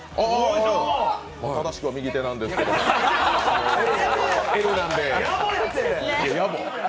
正しくは右手なんですけど、Ｌなんで。